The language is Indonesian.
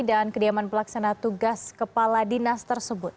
dan kediaman pelaksana tugas kepala dinas tersebut